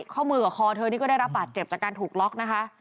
ข้อมือกับคอเธอนี่ก็ได้รับบาดเจ็บจากการถูกล็อกนะคะ